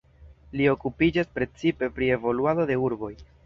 Li okupiĝas precipe pri evoluado de urboj.